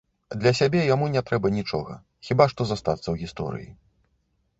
Для сябе яму не трэба нічога, хіба што застацца ў гісторыі.